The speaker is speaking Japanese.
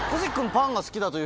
パンが好きだと。